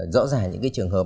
rõ ràng những cái trường hợp